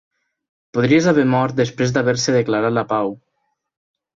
Podries haver mort després d'haver-se declarat la pau.